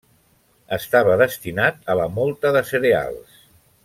Estava destinat a la mòlta de cereals.